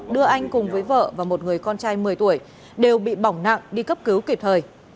đưa anh cùng với vợ và một người con trai một mươi tuổi đều bị bỏng nặng đi cấp cứu kịp thời